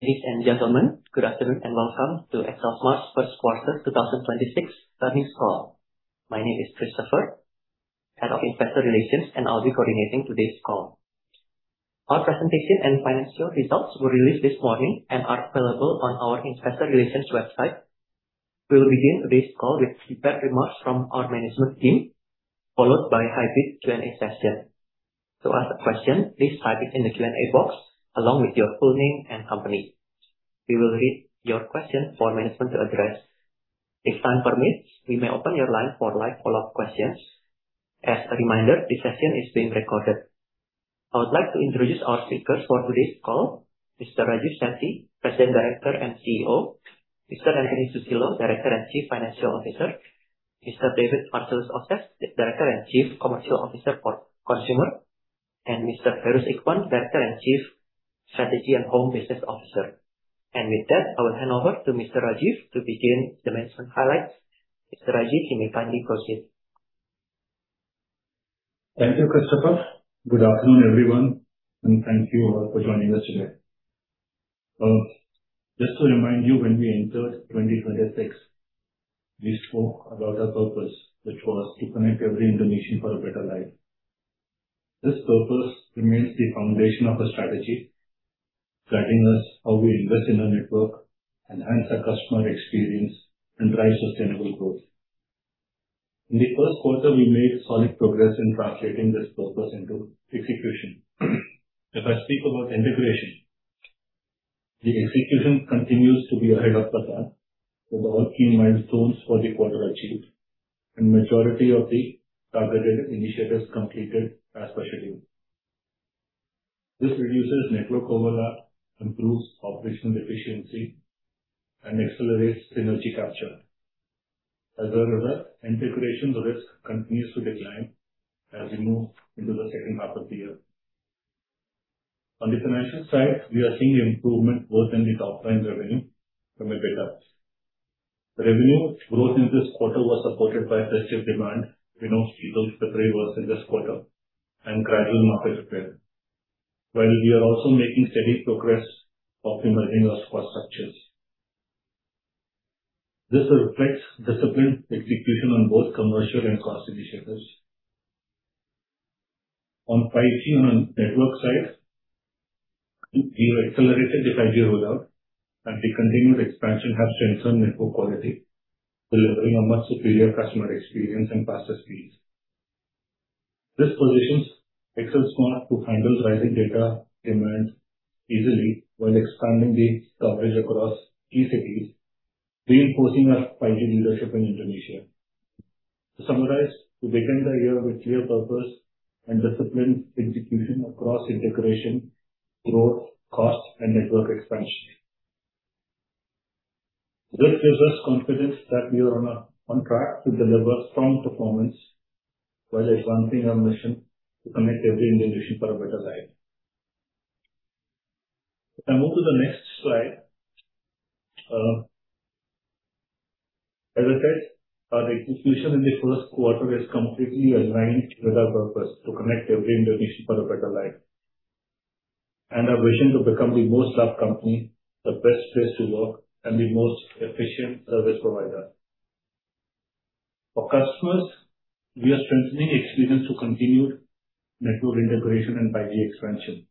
Ladies and gentlemen, good afternoon, and welcome to XLSMART's first quarter 2026 earnings call. My name is Christopher, Head of Investor Relations, and I'll be coordinating today's call. Our presentation and financial results were released this morning and are available on our investor relations website. We will begin today's call with prepared remarks from our management team, followed by a hybrid Q&A session. To ask a question, please type it in the Q&A box along with your full name and company. We will read your question for management to address. If time permits, we may open your line for live follow-up questions. As a reminder, this session is being recorded. I would like to introduce our speakers for today's call. Mr. Rajeev Sethi, President, Director, and CEO. Mr. Antony Susilo, Director and Chief Financial Officer. Mr. David Arcelus Oses, Director and Chief Commercial Officer for Consumer. Mr. Feiruz Ikhwan, Director and Chief Strategy and Home Business Officer. With that, I will hand over to Mr. Rajeev to begin the management highlights. Mr. Rajeev, you may kindly proceed. Thank you, Christopher. Good afternoon, everyone. Thank you all for joining us today. Just to remind you, when we entered 2026, we spoke about our purpose, which was to connect every Indonesian for a better life. This purpose remains the foundation of our strategy, guiding us how we invest in our network, enhance our customer experience, and drive sustainable growth. In the first quarter, we made solid progress in translating this purpose into execution. If I speak about integration, the execution continues to be ahead of the plan, with all key milestones for the quarter achieved and majority of the targeted initiatives completed as per schedule. This reduces network overlap, improves operational efficiency, accelerates synergy capture, as well as the integration risk continues to decline as we move into the second half of the year. On the financial side, we are seeing improvement both in the top line revenue from [Indosat]. Revenue growth in this quarter was supported by festive demand. We know Idul Fitri was in this quarter and gradual market recovery. We are also making steady progress optimizing our cost structures. This reflects disciplined execution on both commercial and cost initiatives. On 5G and on network side, we accelerated the 5G rollout and the continuous expansion has strengthened network quality, delivering a much superior customer experience and faster speeds. This positions XLSMART to handle rising data demands easily while expanding the coverage across key cities, reinforcing our 5G leadership in Indonesia. To summarize, we began the year with clear purpose and disciplined execution across integration, growth, cost, and network expansion. This gives us confidence that we are on track to deliver strong performance while advancing our mission to connect every Indonesian for a better life. If I move to the next slide. As I said, the execution in the first quarter is completely aligned with our purpose: to connect every Indonesian for a better life, and our vision to become the most loved company, the best place to work, and the most efficient service provider. For customers, we are strengthening experience through continued network integration and 5G expansion.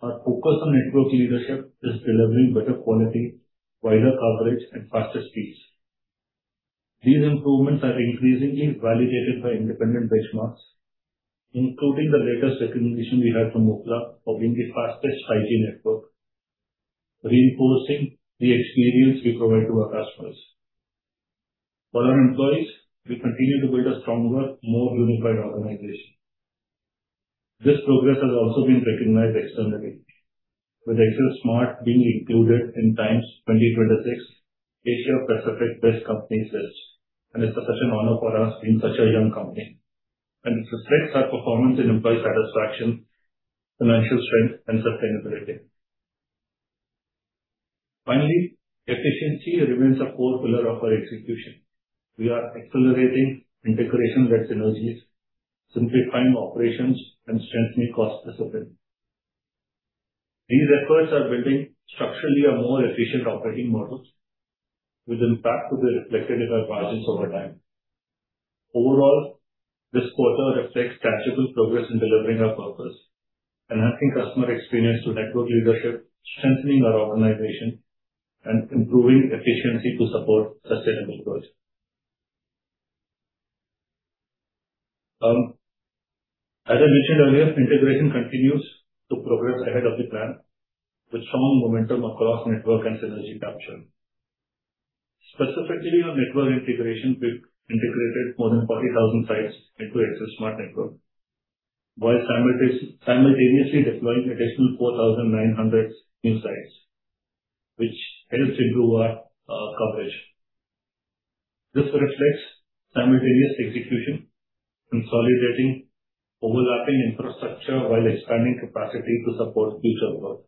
Our focus on network leadership is delivering better quality, wider coverage, and faster speeds. These improvements are increasingly validated by independent benchmarks, including the latest recognition we had from Ookla of being the fastest 5G network, reinforcing the experience we provide to our customers. For our employees, we continue to build a stronger, more unified organization. This progress has also been recognized externally, with XLSMART being included in TIME's 2026 Asia Pacific Best Companies list. It's such an honor for us being such a young company, and this reflects our performance in employee satisfaction, financial strength, and sustainability. Finally, efficiency remains a core pillar of our execution. We are accelerating integration-led synergies, simplifying operations, and strengthening cost discipline. These efforts are building structurally a more efficient operating model, with impact to be reflected in our margins over time. Overall, this quarter reflects tangible progress in delivering our purpose, enhancing customer experience through network leadership, strengthening our organization, and improving efficiency to support sustainable growth. As I mentioned earlier, integration continues to progress ahead of the plan, with strong momentum across network and synergy capture. Specifically on network integration, we've integrated more than 40,000 sites into XLSMART network, while simultaneously deploying additional 4,900 new sites, which helps improve our coverage. This reflects simultaneous execution, consolidating overlapping infrastructure while expanding capacity to support future growth.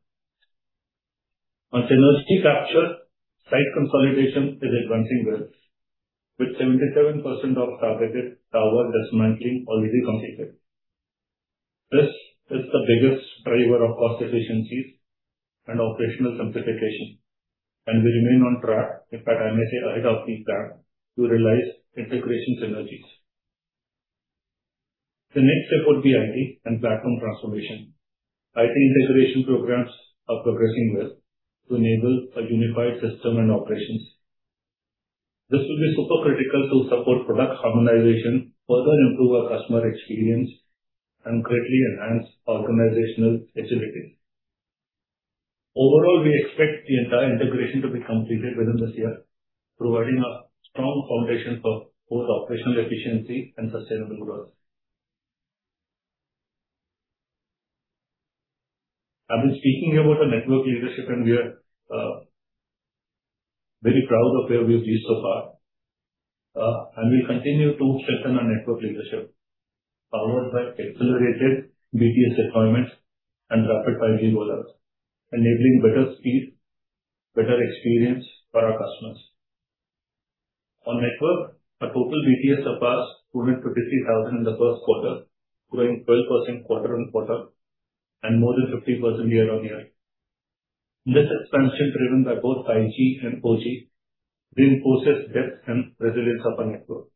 On synergy capture, site consolidation is advancing well, with 77% of targeted tower dismantling already completed. This is the biggest driver of cost efficiencies and operational simplification, and we remain on track. In fact, I may say ahead of the plan to realize integration synergies. The next step would be IT and platform transformation. IT integration programs are progressing well to enable a unified system and operations. This will be super critical to support product harmonization, further improve our customer experience, and greatly enhance organizational agility. Overall, we expect the entire integration to be completed within this year, providing a strong foundation for both operational efficiency and sustainable growth. I've been speaking about our network leadership, and we are very proud of where we've reached so far. We'll continue to strengthen our network leadership, powered by accelerated BTS deployments and rapid 5G rollouts, enabling better speed, better experience for our customers. On network, our total BTS surpassed 253,000 in the first quarter, growing 12% quarter-on-quarter and more than 50% year-on-year. This expansion, driven by both 5G and 4G, reinforces depth and resilience of our network.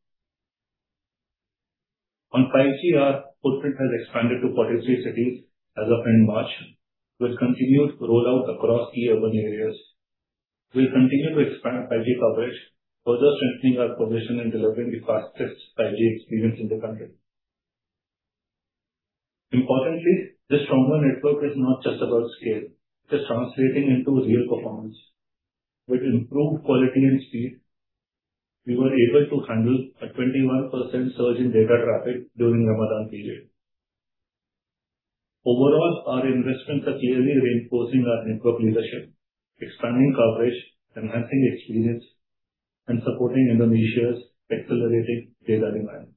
On 5G, our footprint has expanded to 43 cities as of end March. We've continued rollout across key urban areas. We'll continue to expand 5G coverage, further strengthening our position in delivering the fastest 5G experience in the country. Importantly, this stronger network is not just about scale. It is translating into real performance. With improved quality and speed, we were able to handle a 21% surge in data traffic during Ramadan. Overall, our investments are clearly reinforcing our network leadership, expanding coverage, enhancing experience, and supporting Indonesia's accelerating data demand.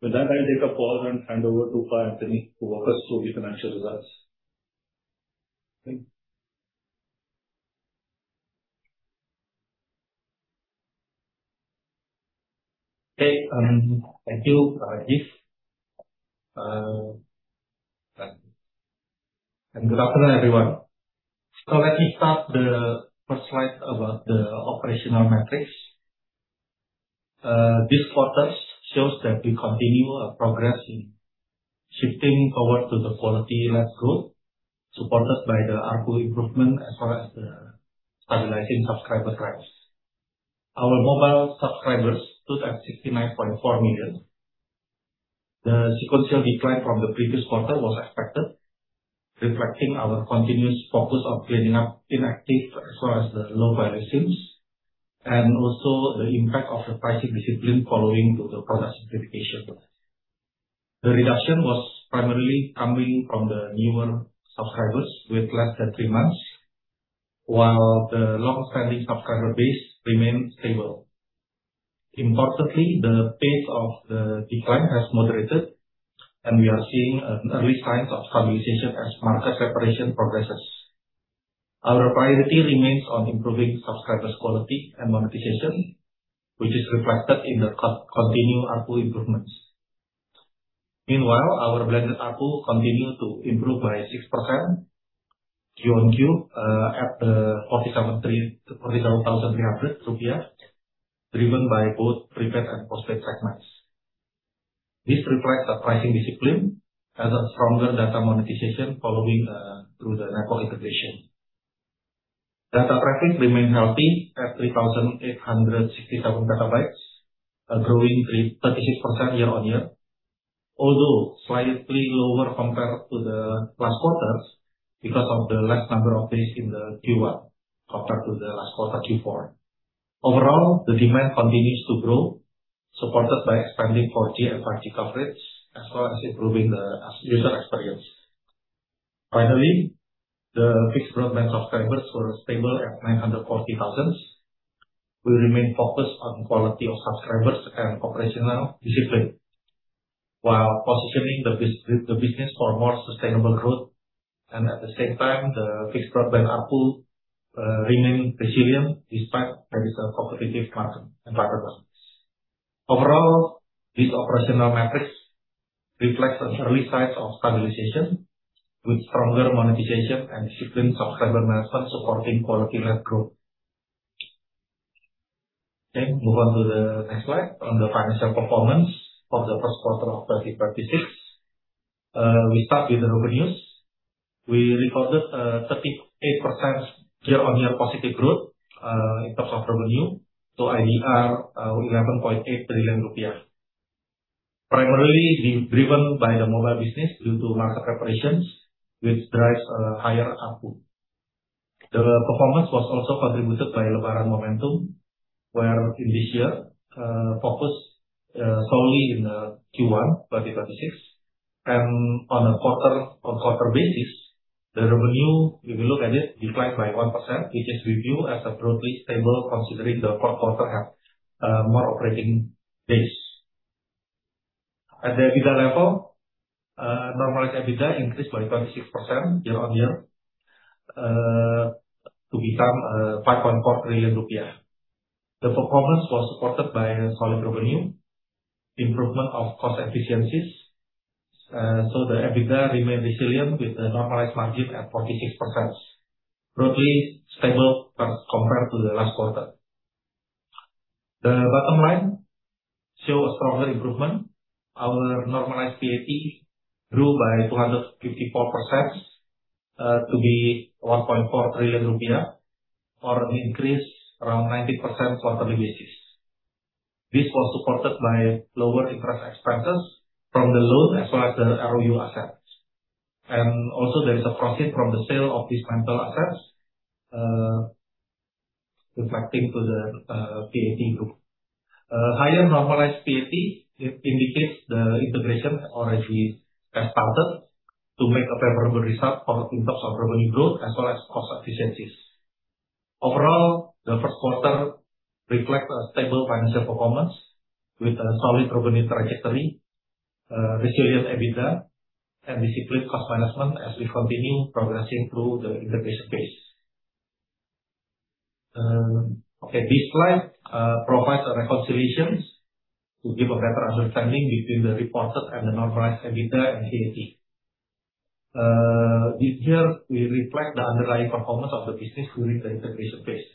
With that, I'll take a pause and hand over to Pak Antony to walk us through the financial results. Thank you. Hey, thank you, Rajeev. Good afternoon, everyone. Let me start the first slide about the operational metrics. This quarter shows that we continue our progress in shifting over to the quality-led growth, supported by the ARPU improvement as well as the stabilizing subscriber trends. Our mobile subscribers stood at 69.4 million. The sequential decline from the previous quarter was expected, reflecting our continuous focus on cleaning up inactive as well as the low-value SIMs, and also the impact of the pricing discipline following to the product simplification. The reduction was primarily coming from the newer subscribers with less than three months, while the long-standing subscriber base remained stable. Importantly, the pace of the decline has moderated, and we are seeing early signs of stabilization as market separation progresses. Our priority remains on improving subscribers' quality and monetization, which is reflected in the continued ARPU improvements. Meanwhile, our blended ARPU continued to improve by 6% QOQ, at 47,300 rupiah, driven by both prepaid and postpaid segments. This reflects our pricing discipline as a stronger data monetization following through the network integration. Data traffic remained healthy at 3,867 PB, growing 36% year-on-year. Although slightly lower compared to the last quarters because of the less number of days in the Q1 compared to the last quarter Q4. Overall, the demand continues to grow, supported by expanding 4G and 5G coverage as well as improving the user experience. Finally, the fixed broadband subscribers were stable at 940,000. We remain focused on quality of subscribers and operational discipline while positioning the business for more sustainable growth. At the same time, the fixed broadband ARPU remaining resilient despite that is a competitive market environment. Overall, this operational metrics reflects an early signs of stabilization with stronger monetization and disciplined subscriber management supporting quality-led growth. Okay, move on to the next slide on the financial performance for the first quarter of 2036. We start with the revenues. We recorded 38% year-on-year positive growth in terms of revenue to 11.8 trillion rupiah. Primarily driven by the mobile business due to market separations which drives higher ARPU. The performance was also contributed by Lebaran momentum, where in this year, focused solely in the Q1 2036. On a quarter-on-quarter basis, the revenue, if you look at it, declined by 1%, which is reviewed as a broadly stable considering the fourth quarter have more operating days. At the EBITDA level, normalized EBITDA increased by 26% year-on-year to become 5.4 trillion rupiah. The performance was supported by a solid revenue, improvement of cost efficiencies. The EBITDA remained resilient with the normalized margin at 46%, roughly stable but compared to the last quarter. The bottom line show a stronger improvement. Our normalized PAT grew by 254% to be 1.4 trillion rupiah or an increase around 90% quarterly basis. This was supported by lower interest expenses from the loan as well as the ROU assets. Also there is a profit from the sale of these rental assets, reflecting to the PAT group. Higher normalized PAT indicates the integration already has started to make a favorable result for in terms of revenue growth as well as cost efficiencies. Overall, the first quarter reflects a stable financial performance with a solid revenue trajectory, resilient EBITDA and disciplined cost management as we continue progressing through the integration phase. This slide provides a reconciliation to give a better understanding between the reported and the normalized EBITDA and PAT. This year we reflect the underlying performance of the business during the integration phase.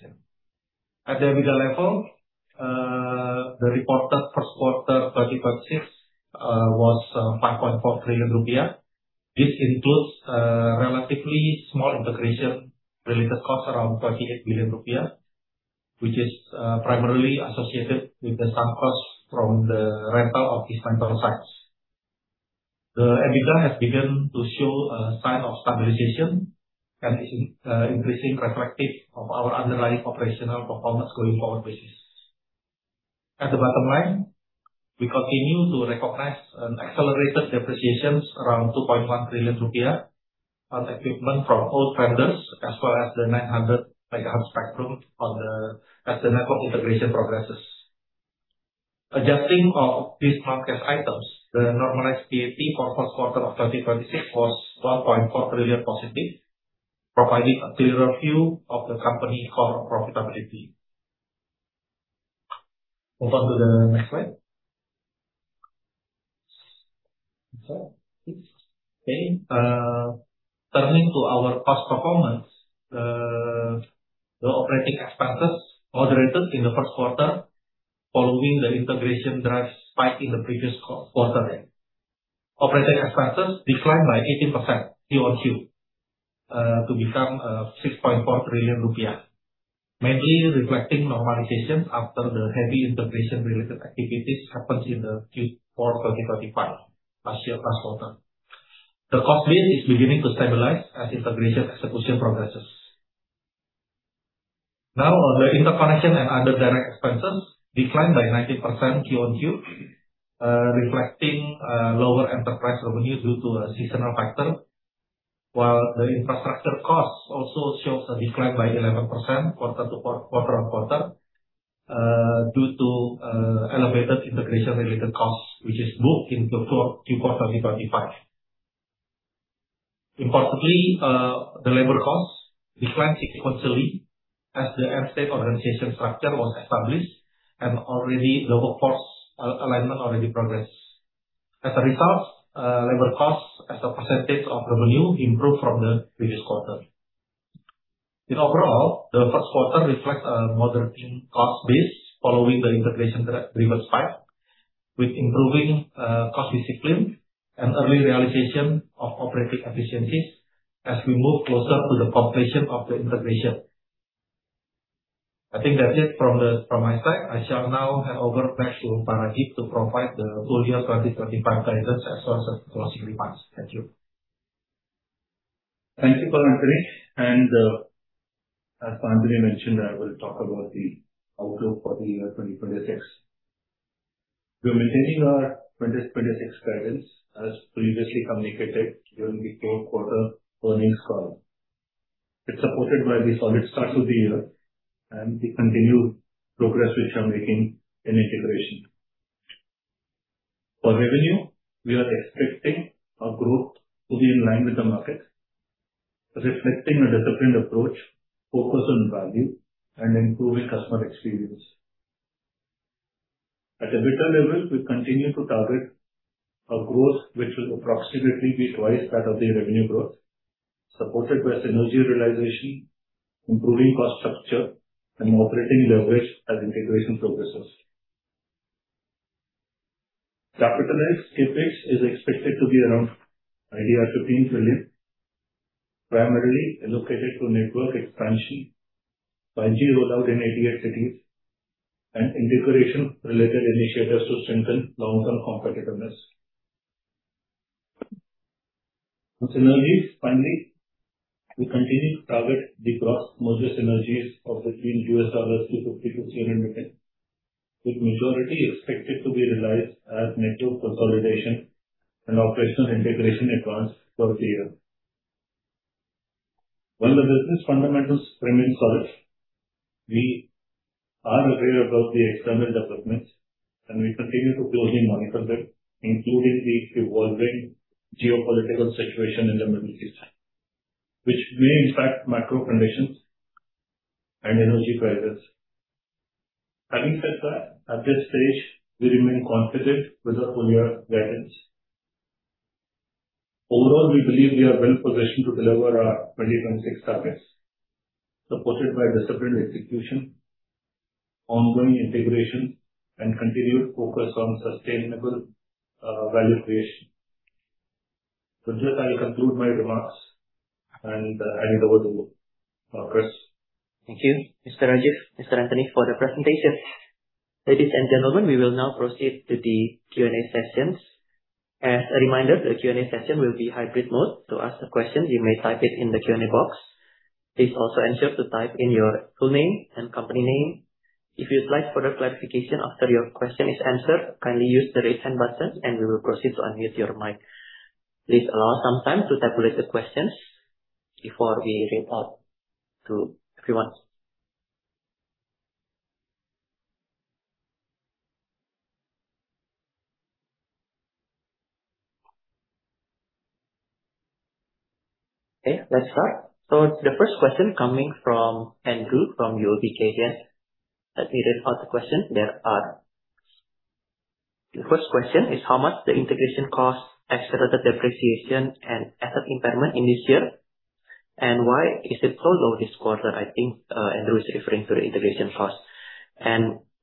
At the EBITDA level, the reported first quarter 2026 was 5.4 trillion rupiah. This includes relatively small integration related costs around 28 billion rupiah, which is primarily associated with the sunk costs from the rental of these rental sites. The EBITDA has begun to show a sign of stabilization and is increasing reflective of our underlying operational performance going forward basis. At the bottom line, we continue to recognize an accelerated depreciations around 2.1 trillion rupiah on equipment from both vendors as well as the 900 MHz spectrum as the network integration progresses. Adjusting of these non-cash items, the normalized PAT for first quarter of 2026 was 1.4 trillion+, providing a clearer view of the company core profitability. Move on to the next slide. Next slide, please. Okay. Turning to our cost performance. The operating expenses moderated in the first quarter following the integration drive spike in the previous quarter. Operating expenses declined by 18% QOQ, to become 6.4 trillion rupiah, mainly reflecting normalization after the heavy integration related activities happened in the Q4 2025, last year, last quarter. The cost base is beginning to stabilize as integration execution progresses. Now, the interconnection and other direct expenses declined by 19% QOQ, reflecting lower enterprise revenue due to a seasonal factor, while the infrastructure costs also shows a decline by 11% quarter-on-quarter, due to elevated integration related costs, which is booked into Q4 2025. Importantly, the labor costs declined significantly as the AirFiber organization structure was established and already the workforce alignment already progressed. As a result, labor costs as a percentage of revenue improved from the previous quarter. Overall, the first quarter reflects a moderating cost base following the integration driven spike with improving cost discipline and early realization of operating efficiencies as we move closer to the completion of the integration. I think that's it from my side. I shall now hand over back to Pak Rajeev to provide the full year 2025 guidance as well as the foreseeable plans. Thank you. Thank you, Pak Antony. As Pak Antony mentioned, I will talk about the outlook for the year 2026. We are maintaining our 2026 guidance as previously communicated during the third quarter earnings call. It's supported by the solid start to the year and the continued progress which we are making in integration. For revenue, we are expecting a growth to be in line with the market, reflecting a disciplined approach, focus on value and improving customer experience. At EBITDA level, we continue to target a growth which will approximately be twice that of the revenue growth, supported by synergy realization, improving cost structure and operating leverage as integration progresses. Capitalized CapEx is expected to be around 13 trillion, primarily allocated to network expansion, 5G rollout in 88 cities and integration related initiatives to strengthen long-term competitiveness. On synergies, finally, we continue to target the gross merger synergies of between $250 million and $300 million, with majority expected to be realized as network consolidation and operational integration advance throughout the year. While the business fundamentals remain solid. We are aware about the external developments, and we continue to closely monitor them, including the evolving geopolitical situation in the Middle East, which may impact macro conditions and energy prices. Having said that, at this stage, we remain confident with our full year guidance. Overall, we believe we are well-positioned to deliver our 2026 targets, supported by disciplined execution, ongoing integrations, and continued focus on sustainable value creation. With this, I will conclude my remarks and hand it over to Chris. Thank you, Mr. Rajeev, Mr. Antony, for the presentations. Ladies and gentlemen, we will now proceed to the Q&A sessions. As a reminder, the Q&A session will be hybrid mode. To ask a question, you may type it in the Q&A box. Please also ensure to type in your full name and company name. If you'd like further clarification after your question is answered, kindly use the Raise Hand button, and we will proceed to unmute your mic. Please allow some time to tabulate the questions before we read out to everyone. Let's start. The first question coming from Andrew from UOB Kay Hian. As he read out the question, the first question is how much the integration cost accelerated depreciation and asset impairment in this year, and why is it so low this quarter? I think Andrew is referring to the integration cost.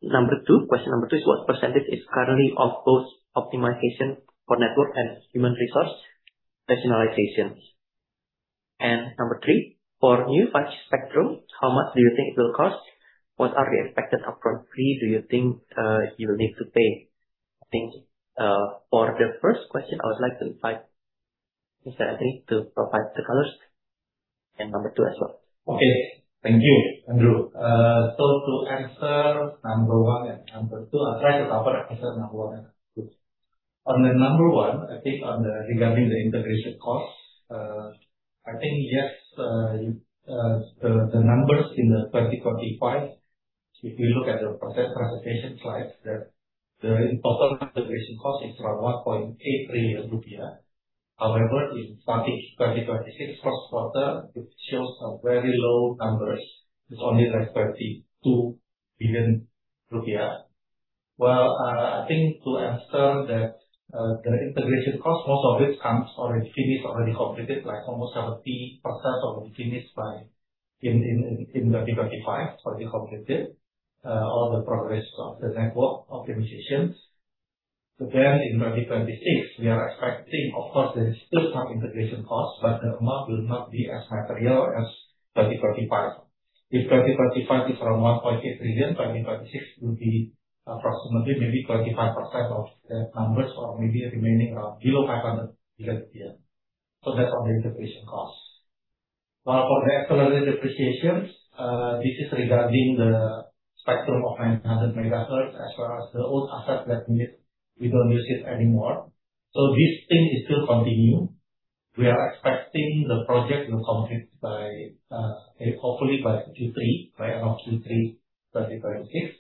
Number two, question number two is what percent is currently of both optimization for network and human resource rationalizations? Number three, for new 5G spectrum, how much do you think it will cost? What are the expected upfront fee do you think you will need to pay? I think, for the first question, I would like to invite Mr. Antony to provide the colors and number two as well. Okay. Thank you, Andrew. To answer number one and number two, I'll try to cover and answer number one. On the number one regarding the integration cost, the numbers in 2025, if we look at the presentation slide there, the total integration cost is around 1.8 trillion rupiah. However, in 2026 first quarter, it shows a very low numbers. It's only like IDR 22 billion. To answer that, the integration cost, most of it comes already finished, already completed, like almost 70% already finished by in 2025, already completed all the progress of the network optimizations. In 2026, we are expecting, of course, there is still some integration costs, but the amount will not be as material as 2025. If 2025 is around IDR 1.8 trillion, 2026 will be approximately maybe 25% of the numbers or maybe remaining around below 500 billion. That's on the integration costs. Well, for the accelerated depreciations, this is regarding the spectrum of 900 MHz as well as the old assets we don't use it anymore. This thing is still continue. We are expecting the project will complete by, hopefully by Q3. By end of Q3, 2026.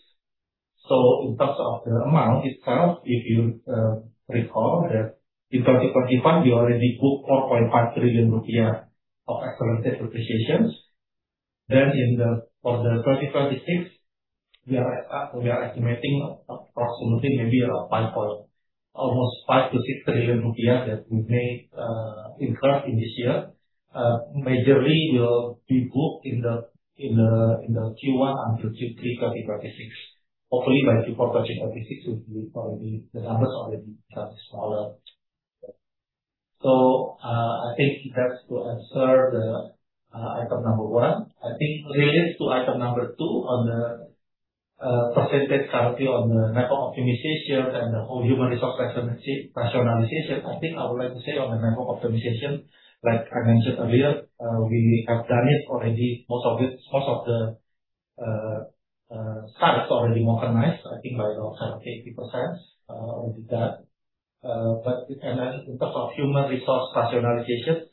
In terms of the amount itself, if you recall that in 2025 you already booked IDR 4.5 trillion of accelerated depreciations. In the, for the 2026 we are estimating approximately maybe around 5 point almost 5 trillion-6 trillion rupiah that we've made in profit in this year. Majorly will be booked in the Q1 until Q3 2026. Hopefully by Q4 2026 will be already, the numbers already become smaller. I think that's to answer the item number one. I think relates to item number two on the percentage currently on the network optimization and the whole human resource rationalization. I think I would like to say on the network optimization, like I mentioned earlier, we have done it already. Most of it, most of the sites already modernized, I think by around 70%-80% already done. In terms of human resource rationalization,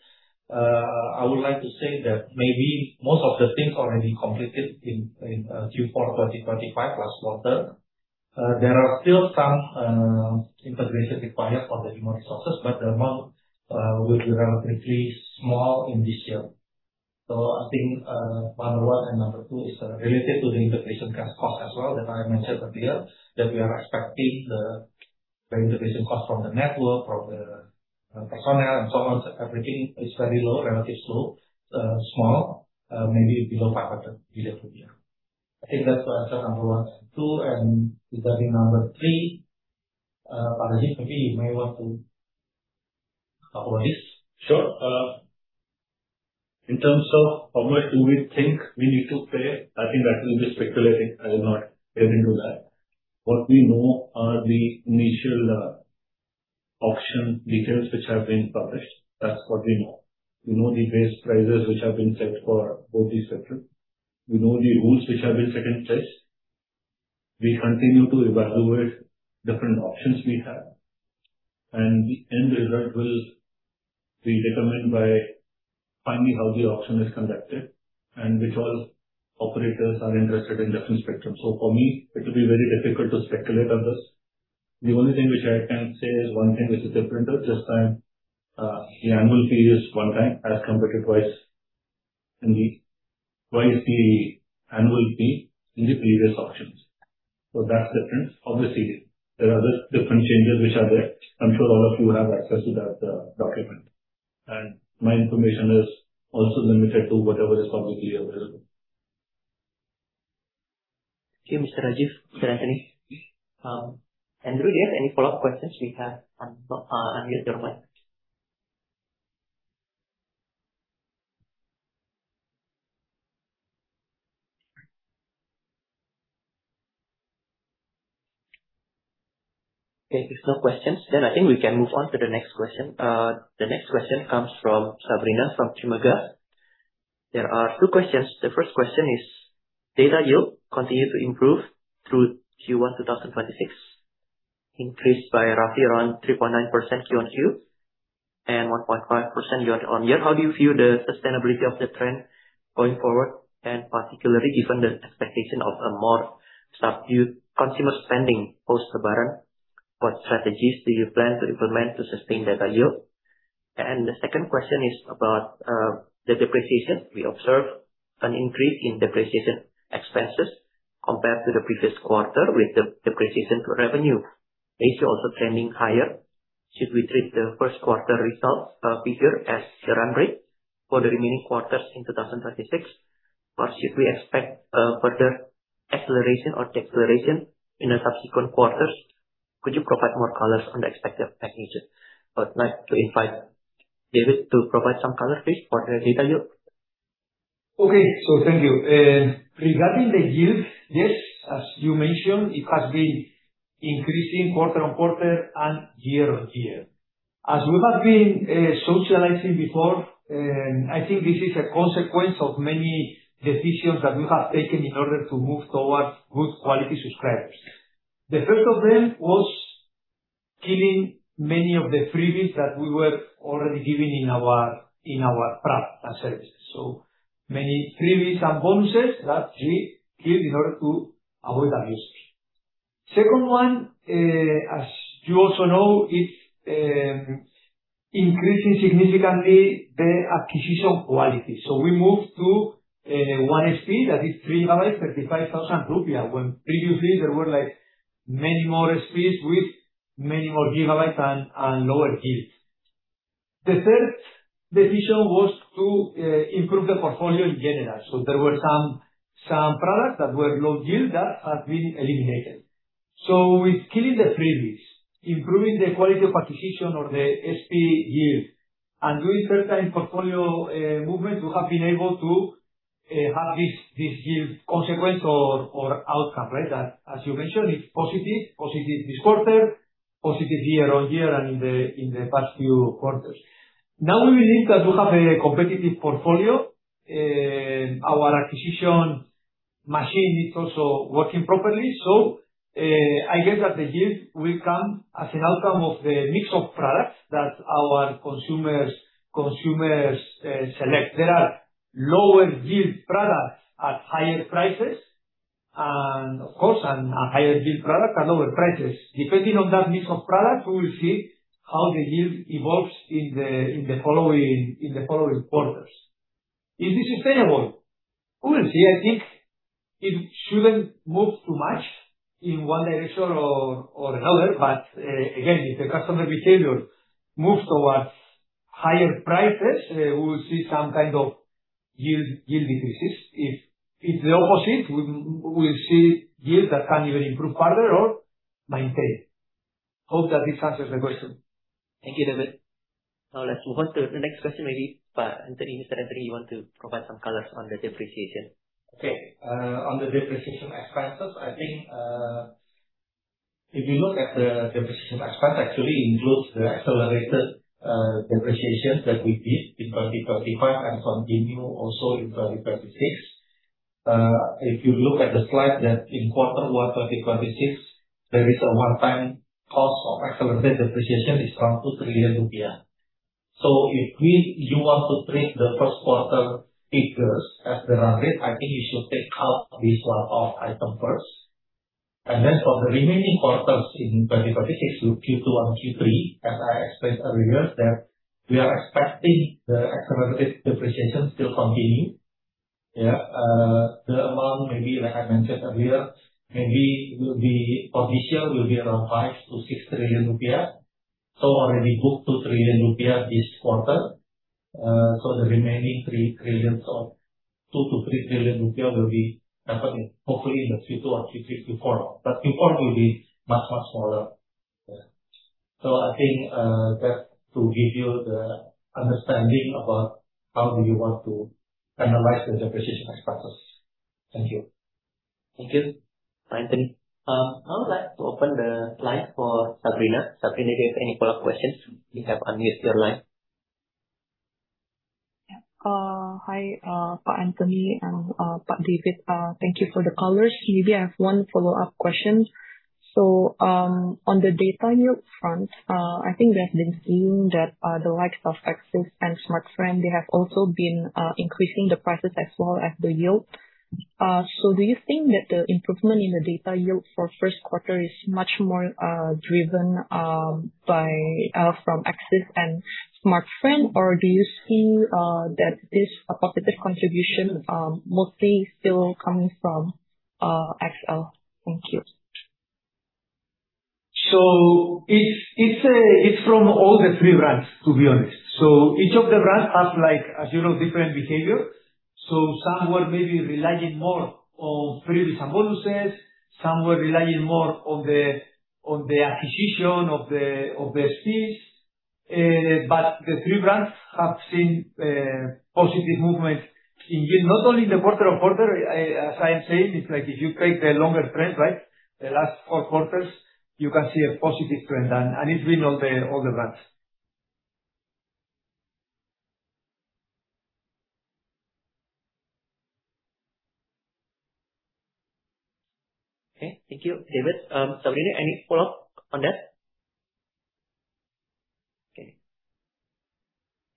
I would like to say that maybe most of the things already completed in Q4 2025 last quarter. There are still some integration required for the human resources, but the amount will be relatively small in this year. I think number one and number two is related to the integration cost as well that I mentioned earlier, that we are expecting the integration cost from the network, from the personnel and so on. Everything is very low relative to small, maybe below 500 billion. I think that's to answer number one and two. Regarding number three, Rajeev, maybe you may want to cover this. Sure. In terms of how much do we think we need to pay, I think that will be speculating. I will not be able to do that. What we know are the initial auction details which have been published. That's what we know. We know the base prices which have been set for 4G spectrum. We know the rules which have been set in place. We continue to evaluate different options we have, and the end result will be determined by finding how the auction is conducted and which all operators are interested in different spectrum. For me, it will be very difficult to speculate on this. The only thing which I can say is one thing which is different this time, the annual fee is one time as compared to twice the annual fee in the previous auctions. That's the difference. Obviously, there are other different changes which are there. I'm sure all of you have access to that document. My information is also limited to whatever is publicly available. Okay, Mr. Rajeev, Mr. Antony. Andrew, do you have any follow-up questions? We have unmute your mic. If no questions, I think we can move on to the next question. The next question comes from Sabrina, from Trimegah. There are two questions. The first question is data yield continue to improve through Q1 2026, increased by roughly around 3.9% QOQ and 1.5% year-over-year. How do you view the sustainability of the trend going forward, particularly given the expectation of a more subdued consumer spending post-Lebaran? What strategies do you plan to implement to sustain that value? The second question is about the depreciation. We observed an increase in depreciation expenses compared to the previous quarter, with the depreciation to revenue ratio also trending higher. Should we treat the first quarter results figure as the run rate for the remaining quarters in 2036? Or should we expect further acceleration or deceleration in the subsequent quarters? Could you provide more colors on the expected packages? I would like to invite David to provide some color, please, for the data yield. Okay. Thank you. Regarding the yield, yes, as you mentioned, it has been increasing quarter-on-quarter and year-on-year. As we have been socializing before, I think this is a consequence of many decisions that we have taken in order to move towards good quality subscribers. The first of them was killing many of the freebies that we were already giving in our product and services. Many freebies and bonuses that we give in order to avoid that usage. Second one, as you also know, it's increasing significantly the acquisition quality. We moved to one SP that is 3 GB, 35,000 rupiah, when previously there were, like, many more SPs with many more gigabytes and lower yield. The third decision was to improve the portfolio in general. There were some products that were low yield that have been eliminated. With killing the freebies, improving the quality of acquisition or the SP yield, and doing certain portfolio movement, we have been able to have this yield consequence or outcome, right? That, as you mentioned, it's positive. Positive this quarter, positive year-on-year and in the past few quarters. We believe that we have a competitive portfolio. Our acquisition machine is also working properly. I guess that the yield will come as an outcome of the mix of products that our consumers select. There are lower yield products at higher prices and of course, higher yield products at lower prices. Depending on that mix of products, we will see how the yield evolves in the following quarters. Is this sustainable? We will see. I think it shouldn't move too much in one direction or another. Again, if the customer behavior moves towards higher prices, we will see some kind of yield decreases. If it's the opposite, we will see yields that can even improve further or maintain. Hope that this answers your question. Thank you, David. Let's move on to the next question. Maybe, Antony, Mr. Antony, you want to provide some colors on the depreciation. Okay. On the depreciation expenses, I think, if you look at the depreciation expense actually includes the accelerated depreciation that we did in 2025 and continue also in 2026. If you look at the slide that in Q1 2026, there is a one-time cost of accelerated depreciation is from 2 trillion rupiah. If we You want to treat the first quarter figures as the run rate, I think you should take out this one-off item first. Then for the remaining quarters in 2026, Q2 and Q3, as I explained earlier, that we are expecting the accelerated depreciation still continuing. The amount maybe like I mentioned earlier, maybe will be Official will be around 5 trillion-6 trillion rupiah. Already booked 2 trillion rupiah this quarter. The remaining 3 trillion, 2 trillion-3 trillion rupiah will be covered hopefully in the Q2 or Q3, Q4. Q4 will be much smaller. I think that to give you the understanding about how do you want to analyze the depreciation expenses. Thank you. Thank you. Antony. I would like to open the line for Sabrina. Sabrina, do you have any follow-up questions? You have unmuted your line. Hi, Pak Antony and Pak David. Thank you for the colors. Maybe I have one follow-up question. On the data yield front, I think we have been seeing that the likes of Axis and Smartfren, they have also been increasing the prices as well as the yield. Do you think that the improvement in the data yield for first quarter is much more driven by from Axis and Smartfren? Do you see that this positive contribution mostly still coming from XL? Thank you. It's from all the three brands, to be honest. Each of the brands has like, as you know, different behavior. Some were maybe relying more on previous imbalances. Some were relying more on the acquisition of the SKUs. The three brands have seen positive movement in yield. Not only in the quarter on quarter, as I am saying, it's like if you take the longer trend, right? The last four quarters, you can see a positive trend. It's been all the brands. Okay. Thank you, David. Sabrina, any follow-up on that? Okay.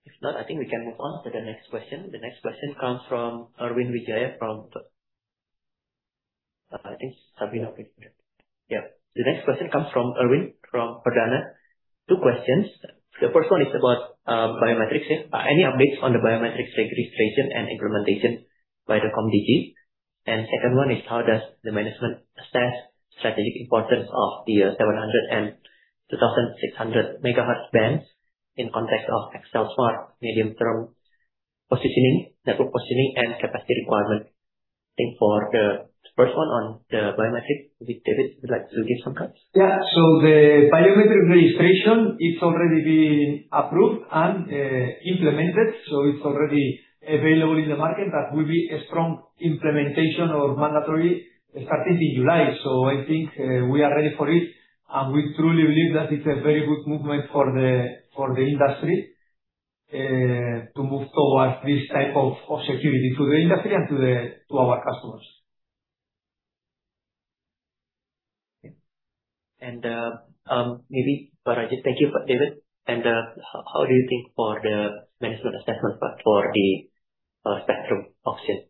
If not, I think we can move on to the next question. The next question comes from Erwin Wijaya from I think Sabrina will read that. The next question comes from Erwin from Perdana. Two questions. The first one is about biometrics. Any updates on the biometrics registration and implementation by the Komdigi? Second one is, how does the management assess strategic importance of the 700 MHz and 2600 MHz bands in context of XLSMART medium-term positioning, network positioning and capacity requirement? I think for the first one on the biometric, David, would you like to give some comments? The biometric registration, it's already been approved and implemented, so it's already available in the market. That will be a strong implementation or mandatory starting in July. I think we are ready for it, and we truly believe that it's a very good movement for the, for the industry, to move towards this type of security to the industry and to the, to our customers. Okay. Maybe Pak Rajeev. Thank you, David. How do you think for the management assessment part for the spectrum auction? What do you think is the importance here? Yeah.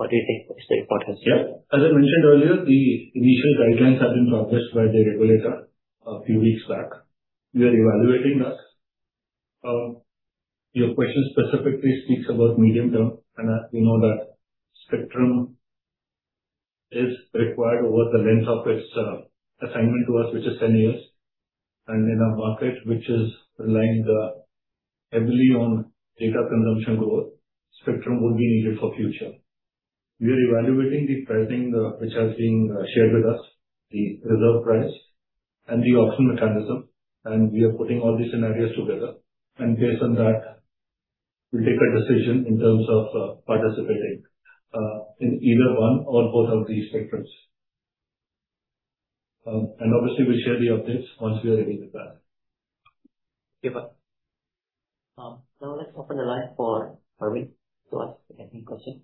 As I mentioned earlier, the initial guidelines have been published by the regulator a few weeks back. We are evaluating that. Your question specifically speaks about medium-term, and as we know that spectrum is required over the length of its assignment to us, which is 10 years. In a market which is relying heavily on data consumption growth, spectrum will be needed for future. We are evaluating the pricing which has been shared with us, the reserve price and the auction mechanism, and we are putting all the scenarios together. Based on that, we'll take a decision in terms of participating in either one or both of these spectrums. Obviously we'll share the updates once we are ready with that. Okay. Now let's open the line for Erwin to ask any question.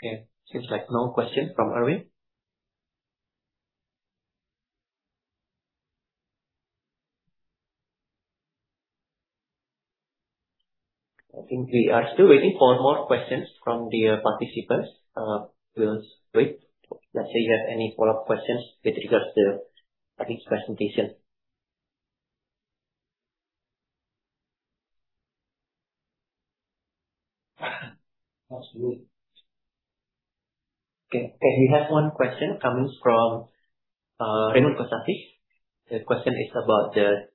Okay. Seems like no question from Erwin. I think we are still waiting for more questions from the participants. We'll wait. Let's say you have any follow-up questions with regards to Rajeev's presentation. Absolutely. Okay. We have one question coming from Raymond Kosasih. The question is about the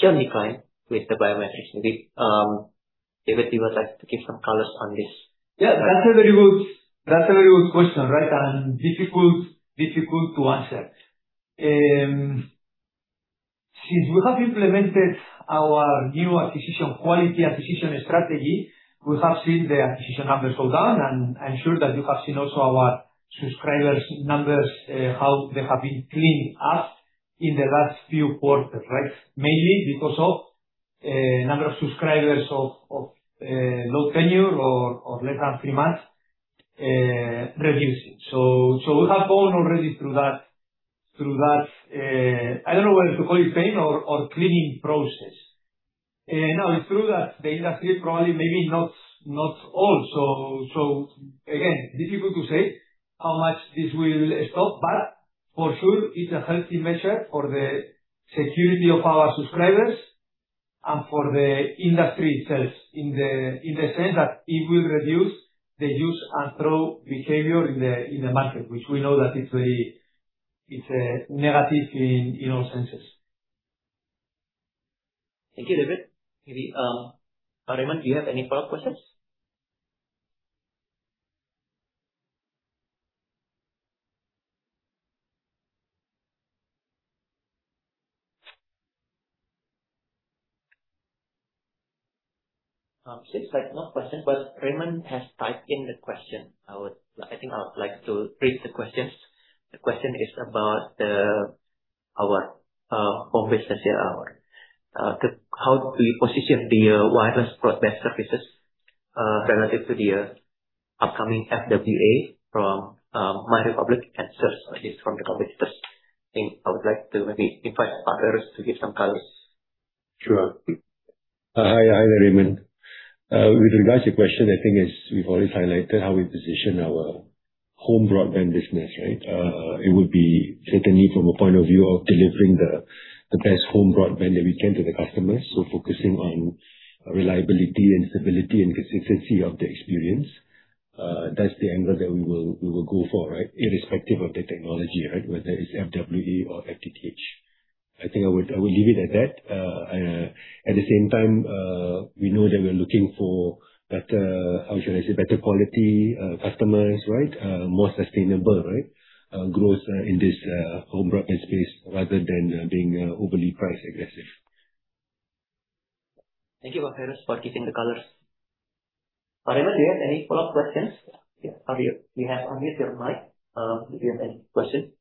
churn decline with the biometrics. Maybe, David, you would like to give some colors on this? Yeah. That's a very good question, right? Difficult to answer. Since we have implemented our new acquisition, quality acquisition strategy, we have seen the acquisition numbers go down. I'm sure that you have seen also our subscribers numbers, how they have been cleaning up in the last few quarters, right? Mainly because of number of subscribers of low tenure or less than three months reducing. We have gone already through that, I don't know whether to call it pain or cleaning process. Now it's true that the industry probably maybe not all. Again, difficult to say how much this will stop, but for sure it's a healthy measure for the security of our subscribers and for the industry itself. In the sense that it will reduce the use and throw behavior in the market, which we know that it's very negative in all senses. Thank you, David. Maybe Raymond, do you have any follow-up questions? Since I have no question, Raymond has typed in the question. I think I would like to read the questions. The question is about our home business. How do we position the wireless broadband services relative to the upcoming FWA from MyRepublic and service at least from the public trust? I think I would like to maybe invite Feiruz to give some colors. Sure. Hi. Hi, Raymond. With regards to your question, I think as we've always highlighted how we position our home broadband business, right? It would be certainly from a point of view of delivering the best home broadband that we can to the customers. So focusing on reliability and stability and consistency of the experience. That's the angle that we will go for, right? Irrespective of the technology, right? Whether it's FWA or FTTH. I think I would leave it at that. At the same time, we know that we're looking for better, how should I say, better quality customers, right? More sustainable, right? Growth in this home broadband space rather than being overly price aggressive. Thank you, Feiruz, for giving the colors. Raymond, do you have any follow-up questions? Yeah. Unmute. We have unmute your mic, if you have any questions.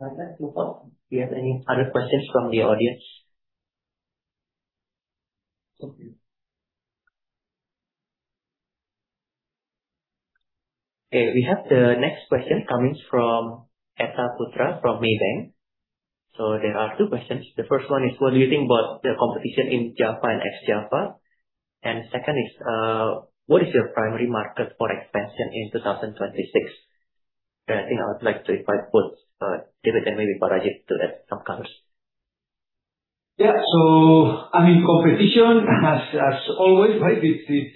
If not, move on. Do you have any other questions from the audience? Thank you. Okay, we have the next question coming from Etta Putra from Maybank. There are two questions. The first one is: What do you think about the competition in Java and East Java? Second is: What is your primary market for expansion in 2026? I think I would like to invite both, David and maybe Pak Rajeev to add some colors. Yeah. I mean, competition has always, right, it's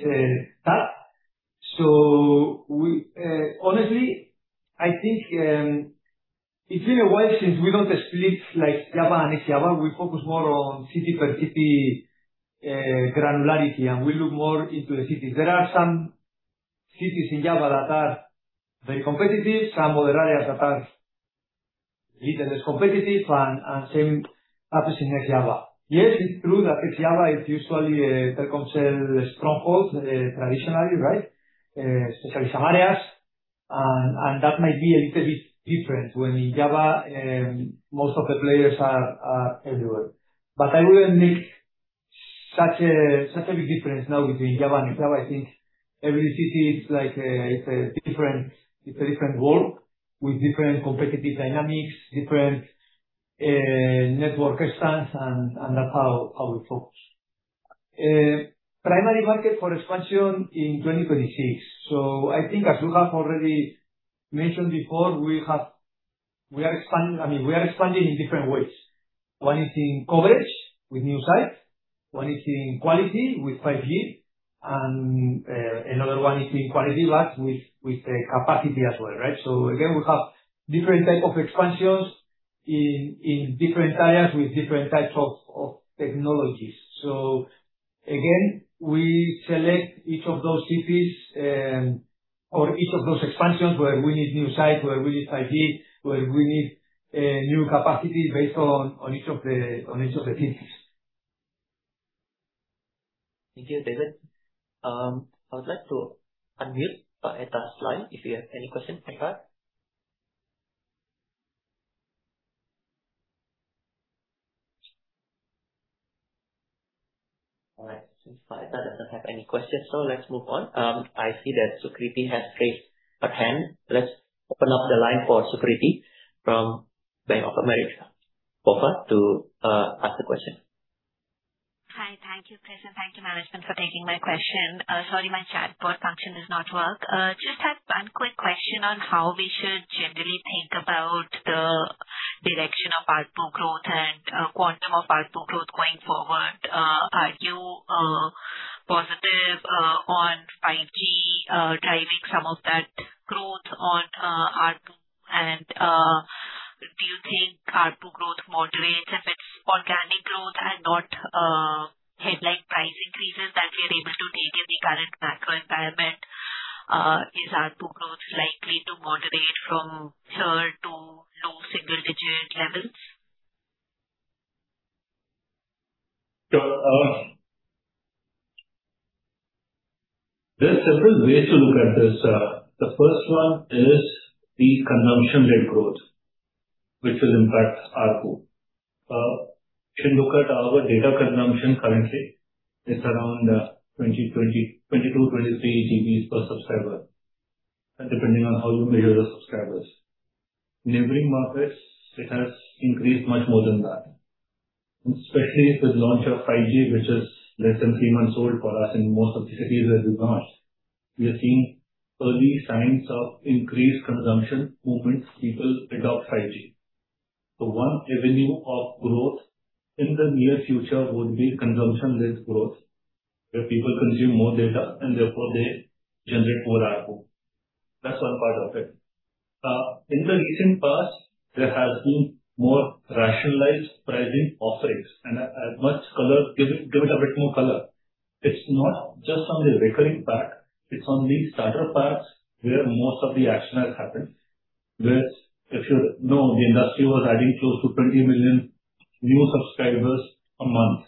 tough. Honestly, I think, it's been a while since we don't split like Java and East Java. We focus more on city per city granularity, and we look more into the cities. There are some cities in Java that are very competitive, some other areas that are little less competitive and same happens in East Java. Yes, it's true that East Java is usually Telkomsel stronghold, traditionally, right? Especially some areas. That might be a little bit different when in Java, most of the players are everywhere. I wouldn't make such a big difference now between Java and East Java. I think every city is like a, it's a different, it's a different world with different competitive dynamics, different network stance, and that's how we focus. Primary market for expansion in 2026. I think as you have already mentioned before, we are expanding, I mean, we are expanding in different ways. One is in coverage with new sites. One is in quality with 5G. Another one is in quality, but with the capacity as well, right? Again, we have different type of expansions in different areas with different types of technologies. Again, we select each of those cities or each of those expansions where we need new sites, where we need 5G, where we need new capacity based on each of the cities. Thank you, David. I would like to unmute Etta's line if you have any questions. Go ahead. All right. Since Etta doesn't have any questions, let's move on. I see that Sukriti has raised a hand. Let's open up the line for Sukriti from Bank of America. Over to ask the question. Hi. Thank you, Chris, and thank you management for taking my question. Sorry, my chatbot function does not work. Just have one quick question on how we should generally think about the direction of ARPU growth and quantum of ARPU growth going forward. Are you positive on 5G driving some of that growth on ARPU? Do you think ARPU growth moderates if it's organic growth and not headline price increases that you're able to take in the current macro environment? Is ARPU growth likely to moderate from here to low single-digit levels? Sure. There are several ways to look at this. The first one is the consumption rate growth, which will impact ARPU. If you look at our data consumption currently, it's around, 20, 22, 23 GBs per subscriber, depending on how you measure the subscribers. In neighboring markets, it has increased much more than that, especially with launch of 5G, which is less than three months old for us in most of the cities that we've launched. We are seeing early signs of increased consumption movements, people adopt 5G. One avenue of growth in the near future would be consumption-led growth, where people consume more data and therefore they generate more ARPU. That's one part of it. In the recent past, there has been more rationalized pricing offerings. I must color. Give it, give it a bit more color. It's not just on the recurring pack, it's on the starter packs where most of the action has happened. If you know the industry was adding close to 20 million new subscribers a month,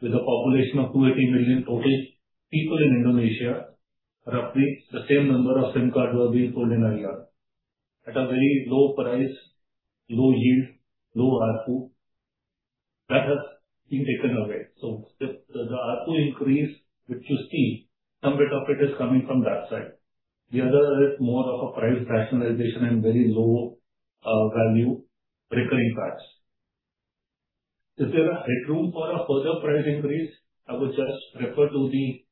with a population of 280 million total people in Indonesia, roughly the same number of SIM cards were being sold in a year. At a very low price, low yield, low ARPU. That has been taken away. The ARPU increase, which you see, some bit of it is coming from that side. The other is more of a price rationalization and very low value recurring packs. Is there a headroom for a further price increase? I would just refer to the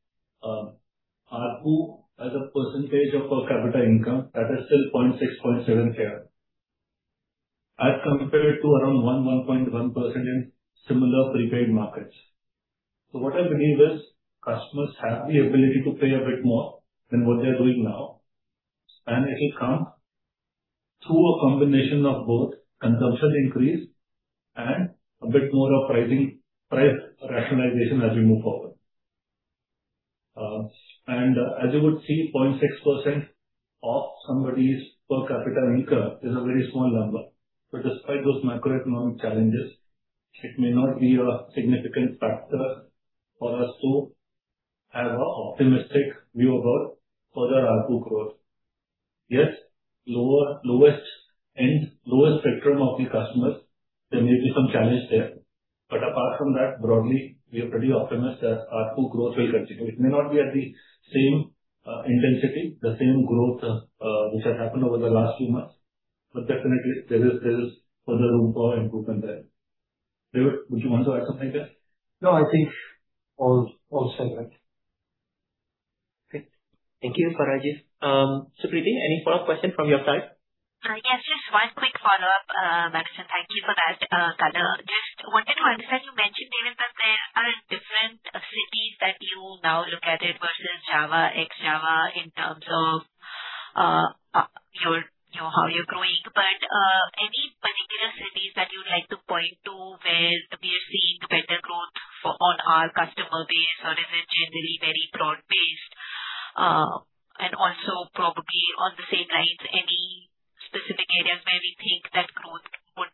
ARPU as a percentage of per capita income that is still 0.6, 0.7 here. As compared to around 1.1% in similar prepaid markets. What I believe is customers have the ability to pay a bit more than what they are doing now. It will come through a combination of both consumption increase and a bit more of pricing, price rationalization as we move forward. As you would see, 0.6% of somebody's per capita income is a very small number. Despite those macroeconomic challenges, it may not be a significant factor for us to have an optimistic view about further ARPU growth. Yes, lower, lowest end, lowest spectrum of the customers, there may be some challenge there. Apart from that, broadly, we are pretty optimistic that ARPU growth will continue. It may not be at the same intensity, the same growth, which has happened over the last few months, but definitely there is further room for improvement there. David, would you want to add something there? No, I think all said, right. Okay. Thank you, Pak Rajeev. Sukriti, any follow-up question from your side? Yes, just one quick follow-up, [Maxim]. Thank you for that color. Just wanted to understand, you mentioned, David, that there are different cities that you now look at it versus Java, ex-Java in terms of your, you know, how you're growing. Any particular cities that you'd like to point to where we are seeing better growth for, on our customer base? Or is it generally very broad-based? Also probably on the same lines, any specific areas where we think that growth would,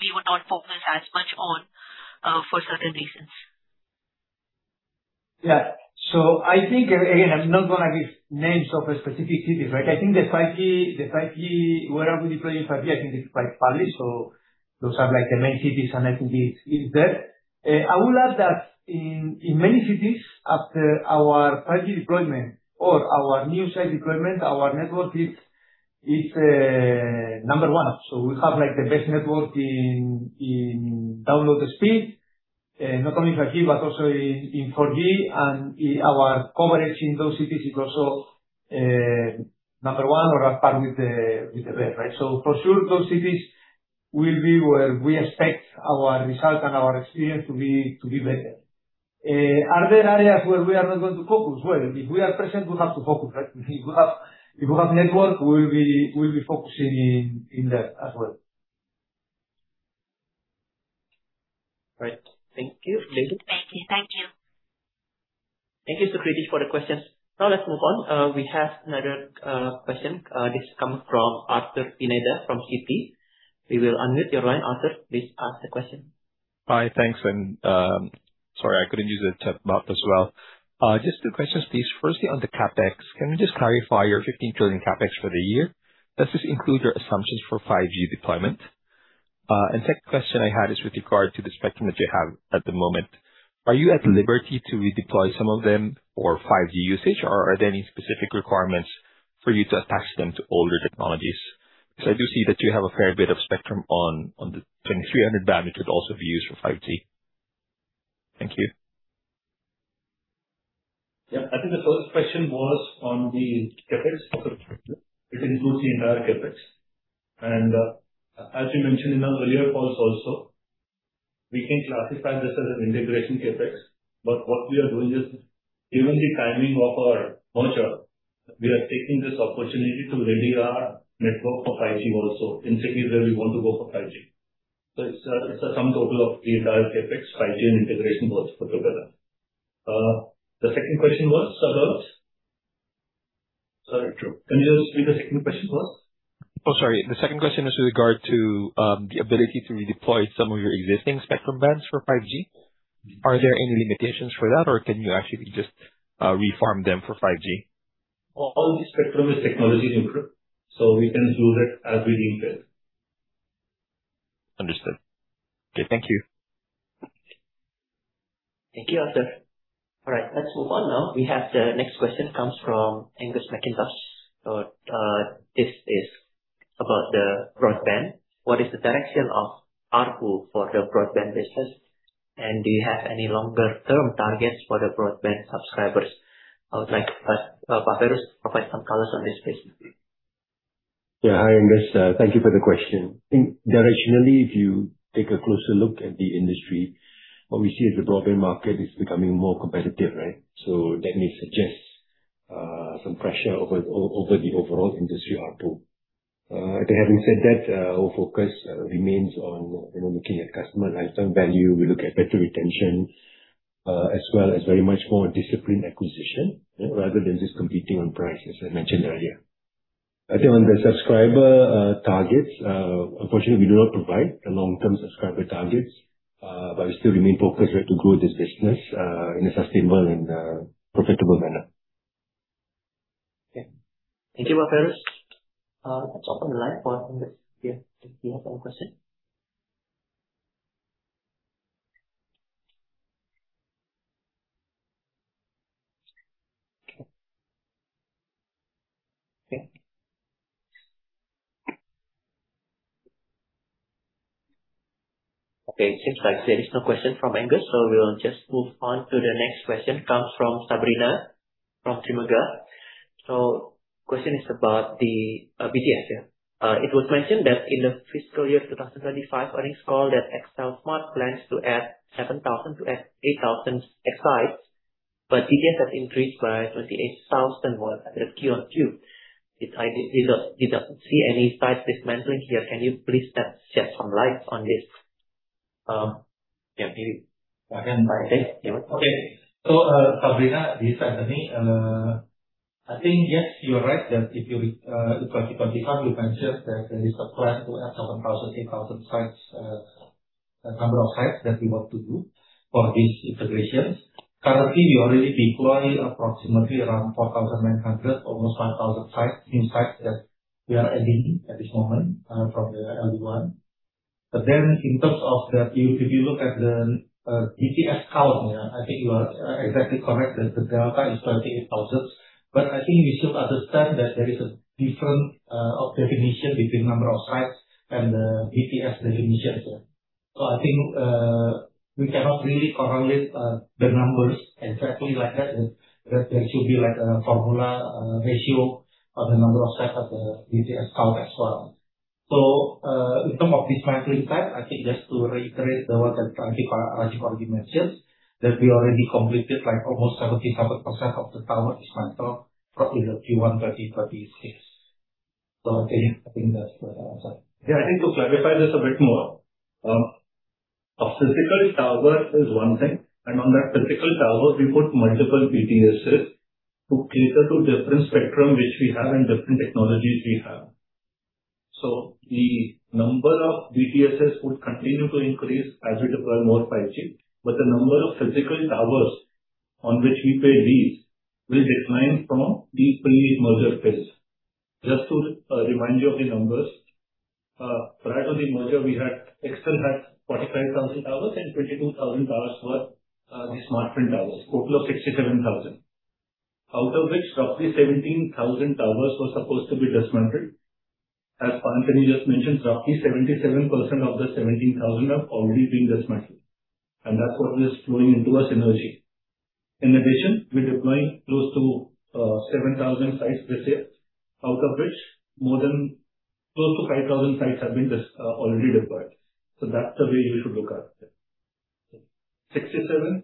we would not focus as much on for certain reasons. Yeah. I think again, I'm not gonna give names of specific cities, right? I think the 5G, where are we deploying 5G, I think it's quite fairly. Those are like the main cities, and I think it's there. I would add that in many cities, after our 5G deployment or our new site deployment, our network is number one. We have like the best network in download speed. Not only in 5G, but also in 4G. Our coverage in those cities is also number one or at par with the best, right? For sure, those cities will be where we expect our result and our experience to be better. Are there areas where we are not going to focus? Well, if we are present, we have to focus, right? If we have network, we'll be focusing in that as well. Right. Thank you, David. Thank you. Thank you. Thank you, Sukriti, for the questions. Now let's move on. We have another question. This comes from Arthur Pineda from Citi. We will unmute your line, Arthur. Please ask the question. Hi. Thanks. Sorry, I couldn't use the chatbox as well. Just two questions, please. Firstly, on the CapEx, can you just clarify your 15 trillion CapEx for the year? Does this include your assumptions for 5G deployment? Second question I had is with regard to the spectrum that you have at the moment. Are you at liberty to redeploy some of them for 5G usage or are there any specific requirements for you to attach them to older technologies? I do see that you have a fair bit of spectrum on the 2300 MHz band, which would also be used for 5G. Thank you. Yeah. I think the first question was on the CapEx. It includes the entire CapEx. As we mentioned in our earlier calls also, we can classify this as an integration CapEx, but what we are doing is given the timing of our merger, we are taking this opportunity to ready our network for 5G also, in cities where we want to go for 5G. It's a sum total of the entire CapEx, 5G, and integration both put together. The second question was, sir? Sorry, Arthur, can you just read the second question for us? Oh, sorry. The second question is with regard to the ability to redeploy some of your existing spectrum bands for 5G. Are there any limitations for that or can you actually just reform them for 5G? All the spectrum is technology-neutral, so we can use it as we deem fit. Understood. Okay. Thank you. Thank you, Arthur. All right, let's move on now. We have the next question comes from Angus Mackintosh. This is about the broadband. What is the direction of ARPU for the broadband business, and do you have any longer-term targets for the broadband subscribers? I would like Pak Feiruz to provide some colors on this, please. Yeah. Hi, Angus. Thank you for the question. I think directionally, if you take a closer look at the industry, what we see is the broadband market is becoming more competitive, right? Some pressure over the overall industry ARPU. Having said that, our focus remains on, you know, looking at customer lifetime value. We look at better retention, as well as very much more disciplined acquisition, rather than just competing on price, as I mentioned earlier. I think on the subscriber targets, unfortunately, we do not provide the long-term subscriber targets. We still remain focused, right, to grow this business, in a sustainable and profitable manner. Okay. Thank you, Feiruz. Let's open the line for Angus. Yeah, if you have some question. Okay. Okay. Okay, it seems like there is no question from Angus, so we'll just move on to the next question. Comes from Sabrina from Trimegah. Question is about the BTS, yeah. It was mentioned that in the fiscal year 2025, I recall that XLSMART plans to add 7,000-8,000 sites, but BTS has increased by 28,000 while at the Q on Q. It's like we don't see any site dismantling here. Can you please shed some light on this? Yeah, maybe go ahead. Okay. Sabrina, this is Antony. I think, yes, you are right that if you in 2025, we mentioned that there is a plan to add 7,000, 8,000 sites, the number of sites that we want to do for this integration. Currently, we already deploy approximately around 4,900, almost 5,000 sites, new sites that we are adding at this moment, from the L one. In terms of that, you, if you look at the BTS count, yeah, I think you are exactly correct that the delta is 28,000. I think we should understand that there is a different of definition between number of sites and the BTS definition as well. I think, we cannot really correlate the numbers exactly like that. There should be like a formula, ratio of the number of sites at the BTS count as well. In terms of dismantling site, I think just to reiterate the words that Rajeev already mentioned, that we already completed like almost 77% of the towers dismantled from in the Q1 30/30 scales. Again, I think that's the answer. Yeah. I think to clarify this a bit more. A physical tower is one thing, and on that physical tower we put multiple BTSs to cater to different spectrum which we have and different technologies we have. The number of BTSs would continue to increase as we deploy more 5G, but the number of physical towers on which we pay these will decline from the pre-merger phase. Just to remind you of the numbers. Prior to the merger, XL had 45,000 towers and 22,000 towers were the Smartfren towers. Total of 67,000. Out of which roughly 17,000 towers were supposed to be dismantled. As Antony just mentioned, roughly 77% of the 17,000 have already been dismantled, and that's what is flowing into our synergy. In addition, we're deploying close to 7,000 sites this year. Out of which more than close to 5,000 sites have been already deployed. That's the way you should look at it. 67,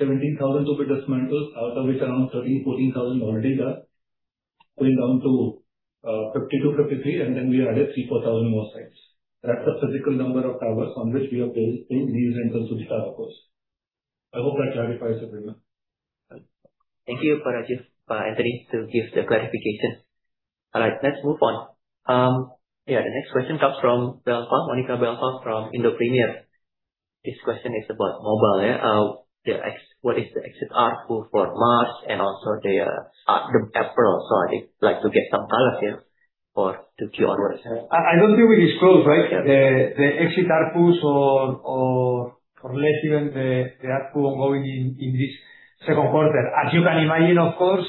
17,000 to be dismantled, out of which around 13,000-14,000 already done. Going down to 52-53, we added 3,000-4,000 more sites. That's the physical number of towers on which we are paying lease and also the CapEx. I hope that clarifies, Sabrina. Thank you for Pak Rajeev, Antony, to give the clarification. All right, let's move on. The next question comes from Belva, Monica Belva from Indo Premier. This question is about mobile. What is the exit ARPU for March and also the April. I'd like to get some color here for the Q on Q. I don't think we disclose, right? Yeah. The exit ARPUs or let's say the ARPU ongoing in this second quarter. As you can imagine, of course,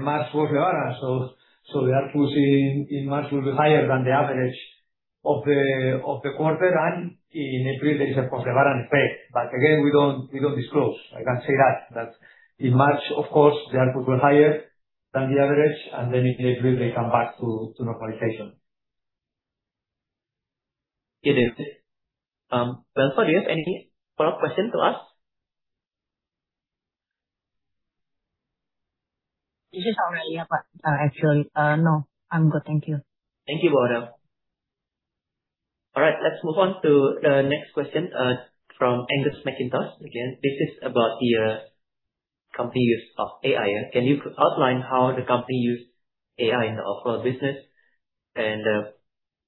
March was Lebaran. The ARPUs in March will be higher than the average of the quarter. In April, there is a post-Lebaran effect. Again, we don't disclose. I can say that in March of course, the ARPU were higher than the average, and then in April they come back to normalization. Get it. Belva, do you have anything? Follow-up question to ask? This is all I have. Actually, no, I'm good, thank you. Thank you, Belva. All right. Let's move on to the next question from Angus Mackintosh. Again, this is about the company use of AI. Can you outline how the company use AI in the overall business and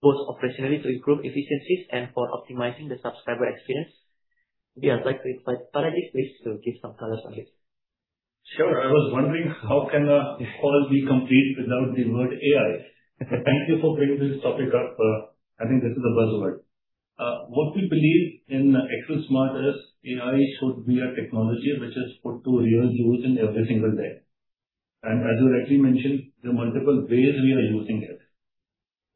both operationally to improve efficiencies and for optimizing the subscriber experience? Yeah, I'd like to invite Pak Rajeev please to give some colors on this. Sure. I was wondering how can a call be complete without the word AI? Thank you for bringing this topic up. I think this is a buzzword. What we believe in XLSMART is AI should be a technology which is put to real use in every single day. As you rightly mentioned, there are multiple ways we are using it.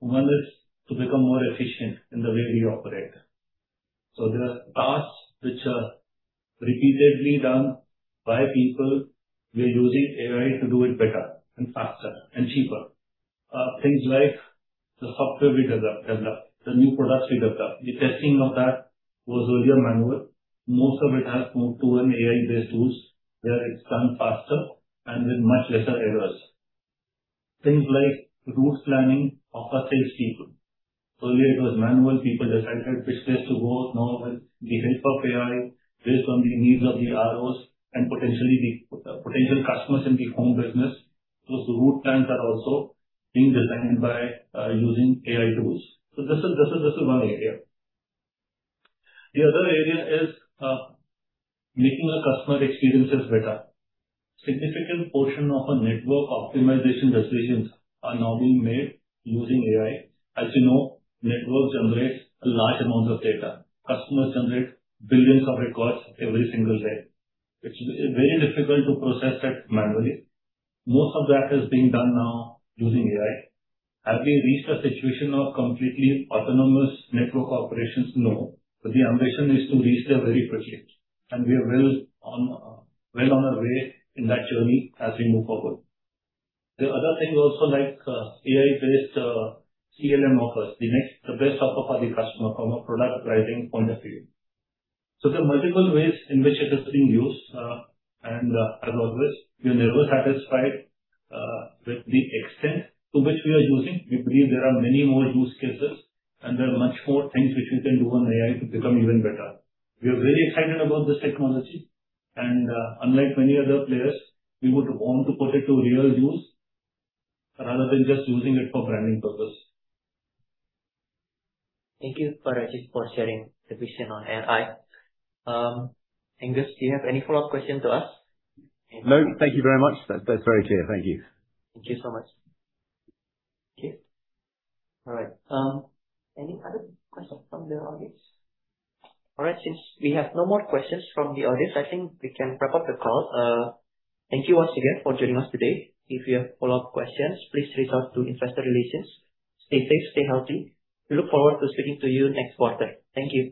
One is to become more efficient in the way we operate. There are tasks which are repeatedly done by people. We're using AI to do it better and faster and cheaper. Things like the software we develop, the new products we develop. The testing of that was really manual. Most of it has moved to an AI-based tools where it's done faster and with much lesser errors. Things like route planning of our sales people. Earlier it was manual. People decided which place to go. Now with the help of AI, based on the needs of the ROs and potentially the potential customers in the home business. Those route plans are also being designed by using AI tools. This is one area. The other area is making our customer experiences better. Significant portion of our network optimization decisions are now being made using AI. As you know, networks generate a large amount of data. Customers generate billions of records every single day. It's very difficult to process that manually. Most of that is being done now using AI. Have we reached a situation of completely autonomous network operations? No. The ambition is to reach there very quickly, and we are well on our way in that journey as we move forward. The other thing also like AI-based CLM offers. We make the best offer for the customer from a product pricing point of view. There are multiple ways in which it is being used. As always, we're never satisfied with the extent to which we are using. We believe there are many more use cases, and there are much more things which we can do on AI to become even better. We are very excited about this technology and, unlike many other players, we would want to put it to real use rather than just using it for branding purpose. Thank you, Pak Rajeev, for sharing the vision on AI. Angus, do you have any follow-up question to ask? No, thank you very much. That's very clear. Thank you. Thank you so much. Okay. All right. Any other questions from the audience? All right. Since we have no more questions from the audience, I think we can wrap up the call. Thank you once again for joining us today. If you have follow-up questions, please reach out to investor relations. Stay safe, stay healthy. We look forward to speaking to you next quarter. Thank you.